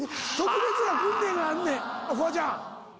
フワちゃん。